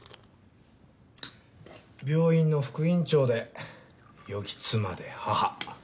病院の副院長でよき妻で母。